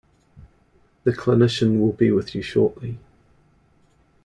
The clinician will be with you shortly.